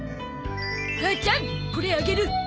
母ちゃんこれあげる。